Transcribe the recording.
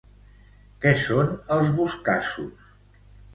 Què són els Boscassos?